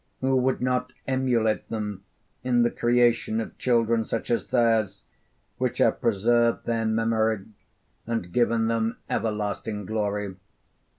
Who would not emulate them in the creation of children such as theirs, which have preserved their memory and given them everlasting glory?